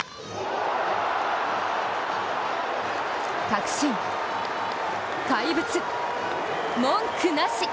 確信、怪物、文句なし！